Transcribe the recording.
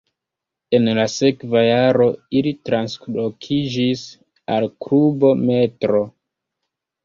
En la sekva jaro ili translokiĝis al klubo Metro.